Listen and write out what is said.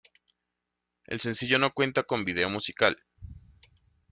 El sencillo no cuenta con vídeo musical.